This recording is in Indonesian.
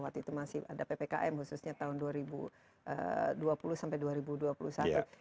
waktu itu masih ada ppkm khususnya tahun dua ribu dua puluh sampai dua ribu dua puluh satu